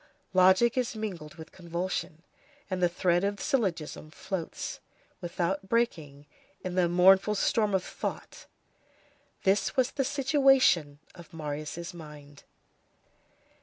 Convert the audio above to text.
Logic is mingled with convulsion, and the thread of the syllogism floats, without breaking, in the mournful storm of thought. This was the situation of Marius' mind.